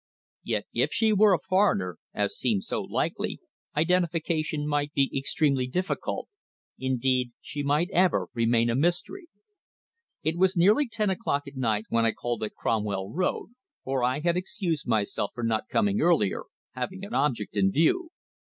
Yet, if she were a foreigner, as seemed so likely, identification might be extremely difficult; indeed, she might ever remain a mystery. It was nearly ten o'clock at night when I called at Cromwell Road, for I had excused myself for not coming earlier, having an object in view.